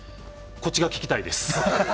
こっちが聞きたいです。